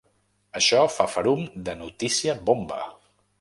Això fa ferum de notícia bomba!